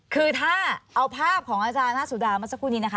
คือถ้าเอาภาพของอาจารย์หน้าสุดาเมื่อสักครู่นี้นะคะ